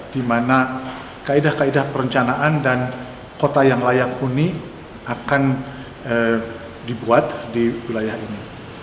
dimana kaedah kaedah perencanaan dan kota yang layak unik akan dibuat di wilayah ini